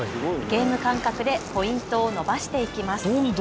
ゲーム感覚でポイントを伸ばしていきます。